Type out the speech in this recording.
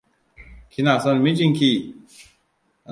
Kina son mijinki?